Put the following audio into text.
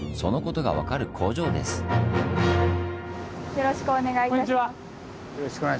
よろしくお願いします。